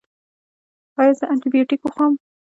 ایا زه انټي بیوټیک وخورم؟